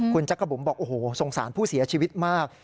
คุณจักรบุ๋มบอกโอ้โหสงสารผู้เสียชีวิตมาก